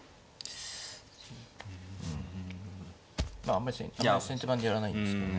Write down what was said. あんまり先手番でやらないですけどね